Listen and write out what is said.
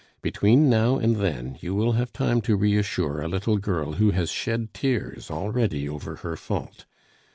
Between now and then you will have time to reassure a little girl who has shed tears already over her fault.